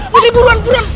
putri buruan buruan